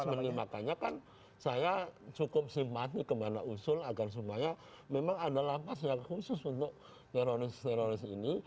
sebenarnya makanya kan saya cukup simpati kemana usul agar semuanya memang ada lapas yang khusus untuk teroris teroris ini